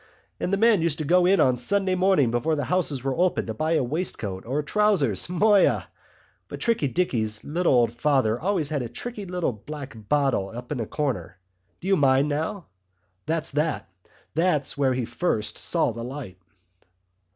And the men used to go in on Sunday morning before the houses were open to buy a waistcoat or a trousers—moya! But Tricky Dicky's little old father always had a tricky little black bottle up in a corner. Do you mind now? That's that. That's where he first saw the light."